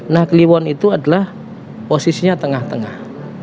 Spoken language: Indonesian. nah kliwon itu adalah posisinya tengah tengah